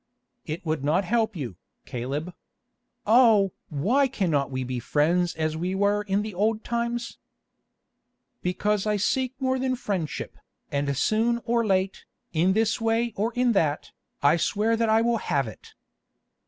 "It would not help you, Caleb. Oh! why cannot we be friends as we were in the old times!" "Because I seek more than friendship, and soon or late, in this way or in that, I swear that I will have it."